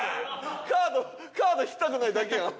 カードカード引きたくないだけやん。